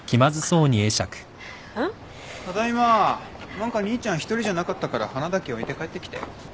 何か兄ちゃん１人じゃなかったから花だけ置いて帰ってきたよ。